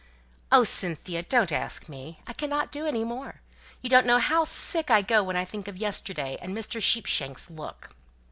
"Oh, Cynthia, don't ask me; I cannot do any more. You don't know how sick I go when I think of yesterday, and Mr. Sheepshanks' look."